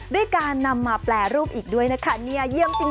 ด้วยการนำมาแปรรูปอีกด้วยนะคะเนี่ยเยี่ยมจริง